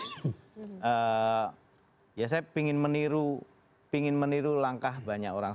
jadi ya saya pengen meniru langkah banyak orang